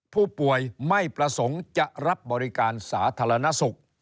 ผู้ป่วยไม่ประสงค์จะรับบริการสาธารณสุข